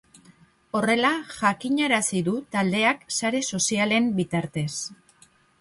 Horrela jakinarazi du taldeak sare sozialen bitartez.